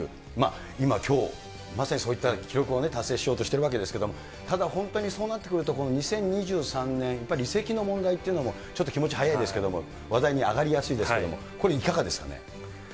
今、きょう、まさにそういった記録を達成しようとしているわけですけれども、ただ、本当にそうなってくるとこの２０２３年、やっぱり移籍の問題というのもちょっと気持ち早いですけど、話題に上がりやすいですけども、これいかがですかね？